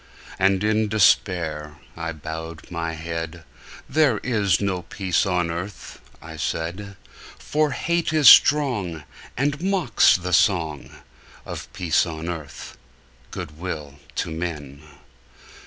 And in despair I bowed my head; "There is no peace on earth," I said: "For hate is strong, And mocks the song Of peace on earth, good will to men!"